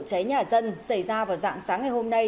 cháy nhà dân xảy ra vào dạng sáng ngày hôm nay